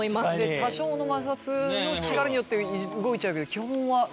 多少の摩擦の力によって動いちゃうけど基本はそうですよね。